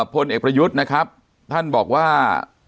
พลเอกประยุทธ์นะครับท่านบอกว่า